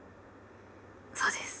そうです。